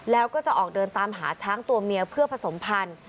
แล้วก็จะออกเดินตามหาช้างตัวเมียเพื่อผสมพันธุ์